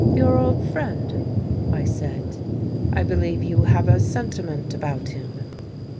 "Your old friend," I said. "I believe you have a sentiment about him."